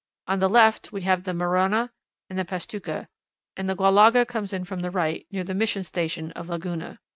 On the left we have the Marona and the Pastuca; and the Guallaga comes in from the right near the mission station of Laguna.